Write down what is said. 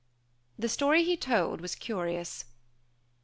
The story he told was curious.